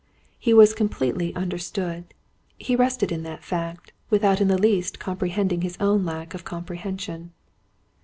He was completely understood. He rested in that fact, without in the least comprehending his own lack of comprehension.